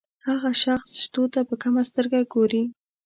هغه شخص شتو ته په کمه سترګه ګوري.